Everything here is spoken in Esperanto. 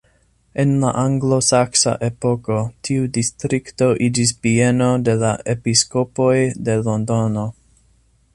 En la anglo-saksa epoko tiu distrikto iĝis bieno de la episkopoj de Londono.